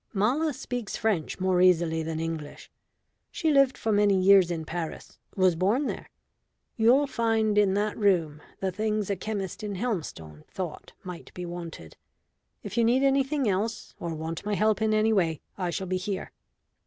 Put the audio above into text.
"Mala speaks French more easily than English. She lived for many years in Paris was born there. You'll find in that room the things a chemist in Helmstone thought might be wanted. If you need anything else, or want my help in any way, I shall be here."